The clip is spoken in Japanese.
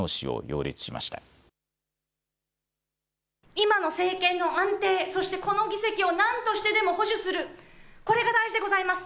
今の政権の安定そしてこの議席をなんとしてでも保守する、これが大事でございます。